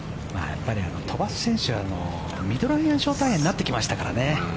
やっぱり飛ばす選手はミドルアイアンショートアイアンになってきましたからね。